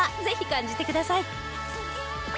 ぜひ感じてください。